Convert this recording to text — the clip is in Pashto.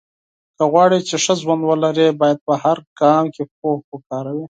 که غواړې چې ښه ژوند ولرې، باید په هر ګام کې پوهه وکاروې.